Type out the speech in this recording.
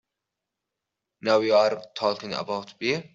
Now you are talking about beer!